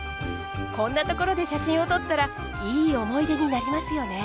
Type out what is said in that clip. こんなところで写真を撮ったらいい思い出になりますよね。